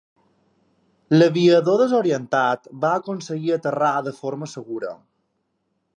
L'aviador desorientat va aconseguir aterrar de forma segura.